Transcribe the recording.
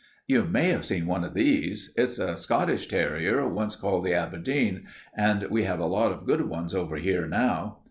"You may have seen one of these. It's a Scottish terrier, once called the Aberdeen, and we have a lot of good ones over here now.